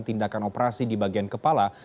tindakan operasi di bagian kepala